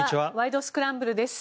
スクランブル」です。